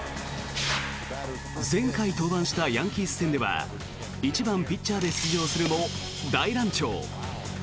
前回登板したヤンキース戦では１番ピッチャーで出場するも大乱調。